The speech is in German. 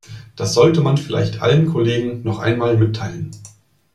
Das sollte man vielleicht allen Kollegen noch einmal mitteilen.